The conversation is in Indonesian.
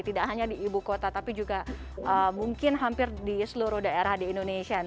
tidak hanya di ibu kota tapi juga mungkin hampir di seluruh daerah di indonesia